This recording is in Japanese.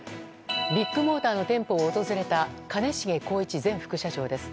ビッグモーターの店舗を訪れた兼重宏一前副社長です。